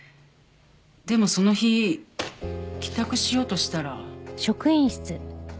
でもその日帰宅しようとしたら。